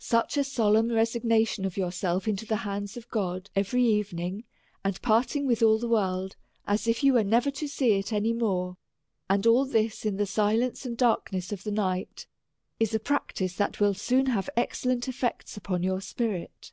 Such a solemn resignation of yourself into the hands of God every evening, and parting with all the world, as if you was never to see it any more, and all this in the silence and darkness of the night, is a prac tice that will soon have excellent effects upon your spirit.